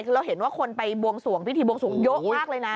คือเราเห็นว่าคนไปบวงสวงพิธีบวงสวงเยอะมากเลยนะ